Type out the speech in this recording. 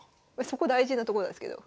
そこ大事なとこなんですけど。